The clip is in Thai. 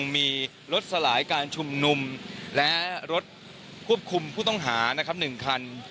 มีรถสลายการชุมนุมและรถควบคุมผู้ต้องหา๑คัน